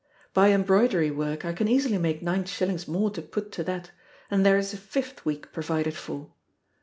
By embroidery work I can easily make nine shillings more to put to that, and there is a fifth week provided for.